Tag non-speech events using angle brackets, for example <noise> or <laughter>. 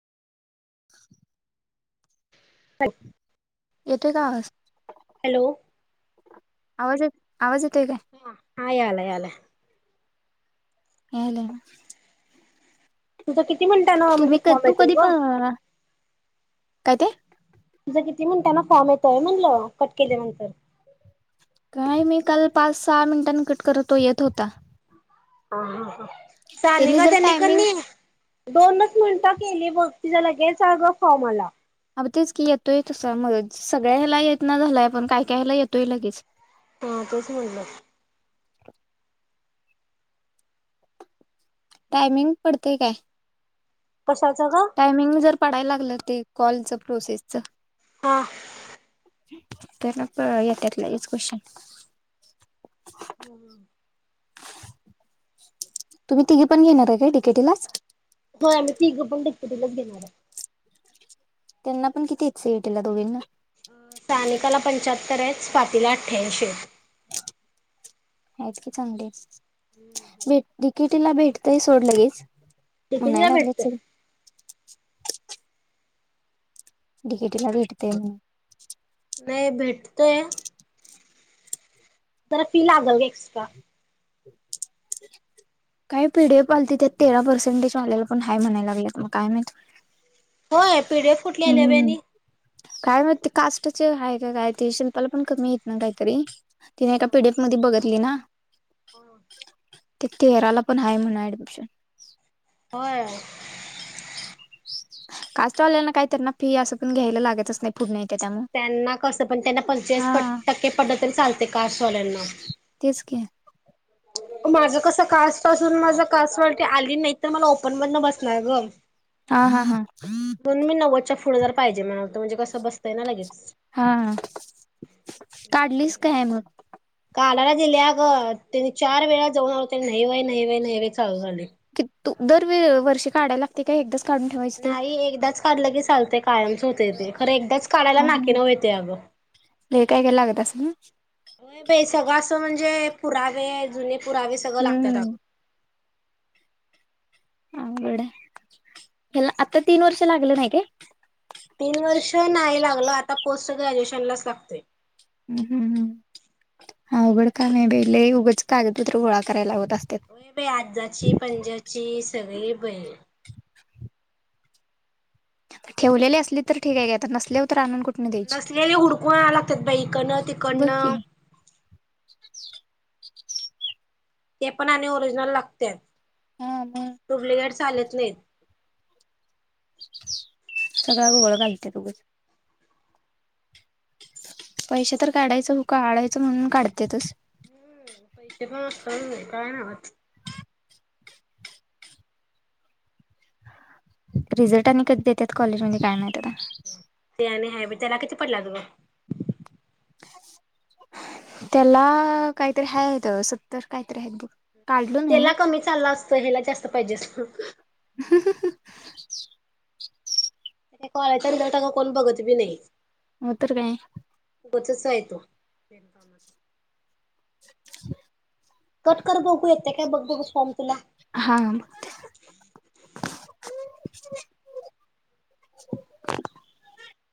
<inaudible> <unintelligible> येतोय काय आवाज? हॅलो. आवाज येतो आवाज येतोय काय? ह आलाय आलाय हॅलो. तुझ किती मिनिटान तुम्ही क तू कधी प, काय ते तुझं किती मिनिटांना फॉर्म येतोय म्हणलं कट केल्यानंतर काय माहिती, काल पाच सहा मिनिटांनी कट करतो येत होता हा हा हा त्यांनी जर टायमिंग <unintelligible> दोनच मिनिटं केली बघ तिला लगेच अगं फॉर्मला आला. अग तेच की येतोय तसं म सगळ्यायला येत ना झालाय पण काय कायला येतोय लगेच हा तेच म्हणलं टायमिंग पडतेय काय कशाचं ग? टायमिंग जर पडायला लागलं ते कॉलच प्रोसेसच हां. त्यानंतर येतात लगेच क्वेश्चन. होम! तुम्ही तिघी पण घेणार आहे काय डि के टी ला? हो आम्ही तिघं पण डी के टि लाच घेणार आहे. त्यांना पण किती येत स एटीला दोघेना. सानिकाला पंचाहत्तर आहे, स्वातीला अठ्ठ्याऐंशी आहेत. हतकी चांगली भेट तिकीटीला भेटतंय सोड लगेच. तितीला म्हणायला लागलेच भेटत. डी के टी ला भेटते म नाही भेटतय जरा फी लागल ग एक्स्ट्रा. <inaudible> काही पिढी पालती त्यात तेरा पर्सेंटेज वालेल्या पण हय म्हणायला लागलंत मग काय माहित. होय पीडीएफ कुठली आल्या बई हम्! आणि काय मग ते कास्टाचे आहे का काय ते शिल्पाला पण कमी य ना काहीतरी, तिने एका पीडीएफ मध्ये बघितली ना! हो! तेराला पण आहे म्हण ऍडमिशन. हो! का चावले ना काय तर ना फी असं पण घ्यायला लागेतच नाही पुढण्या त्यांना कसं पण त्यांना पंचाळीस हा टक्के पद्ध तरी चालत कास्ट वाल्यांना. तेच की. माझं कस कास्ट असून माझं कास्ट वाट आली नाही तर मला ओपन मधन बसणार ग! हा हा हा दोन मी नव्वच्या पुढ जर पाहिजे म्हणाला तर म्हणजे कस बसतंय ना लगेच. हा काढलीस का आहे मग, कालाला दिली ग त्यानी चार वेळा जाऊन आनी न वाई न वाई न वई चाू झाले. कि तू दर वर्षी काढायला ते का एकदाच काढून ठेवायच. नाही एकदाच काढलं की चालते कायमच होते ते खरं एकदाच काढायला नाके ना हो यते अगं, ते काय काय लागत असल नही. सगळं असं म्हणजे पुरावे जुने पुरावे सगळं लागतात अग, हम्म अघडला आता तीन वर्ष लागले नाही काय, तीन वर्ष नाही लागल आता पोस्ट ग्रॅज्युएशन लाच लागतय. हं हं हं. हा अवघड काम बेले उगच कागदपत्र गोळा कराय लावत असतेत. वई ब आजाची पंजाची सगळी बळी <unintelligible> ठेवलेले असली तर ठीक आहे आता नसल्यावर तर आ आणूनु कुठ नसलेले हुडकून आणावे लागतात बाई! इकडनं बघ की तिकडनं <unintelligible> ते पण आणि ओरिजिनल लागते. हा मग डुप्लिकेट चालेत नाहीत. सगळ घोळ घालतात उगच. पैसे तर काढायचं हो का काढायचं म्हणून काढतेच. पैसे पण असता काय ना आता. रिझल्ट आणि कधी देतात कॉलेजमध्ये काय माहित आता. ते आणि हाय बी त्याला किती पडलेत गं? त्याला काहीतरी हाय आहेत सत्तर काहीतरी आहेत बघ. काढलो नाही त्याला कमी चालला असतं ह्याला जास्त पाहिजे असत ह कॉयच रटा कोण बघत बी नाही, मतरकय होचच आहे तो <inaudible> पेन कामाच ह कट कर बघू येते काय बघ बघू फॉर्म तुला हा हा.